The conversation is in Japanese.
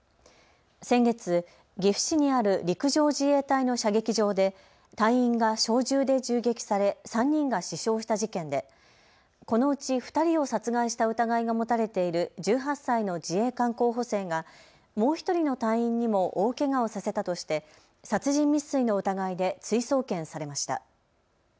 先月、岐阜市にある陸上自衛隊の射撃場で隊員が小銃で銃撃され３人が死傷した事件でこのうち２人を殺害した疑いが持たれている１８歳の自衛官候補生がもう１人の隊員にも大けがをさせたとして殺人未遂の疑いで追送検されました。